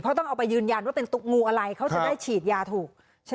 เขาต้องเอาไปยืนยันว่าเป็นตุ๊กงูอะไรเขาจะได้ฉีดยาถูกใช่ไหม